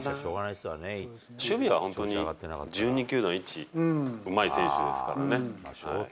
守備は本当に１２球団いち、うまい選手ですからね。